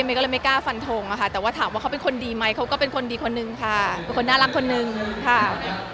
ก็เลยไม่กล้าฟันทงอะค่ะแต่ว่าถามว่าเขาเป็นคนดีไหมเขาก็เป็นคนดีคนนึงค่ะเป็นคนน่ารักคนนึงค่ะ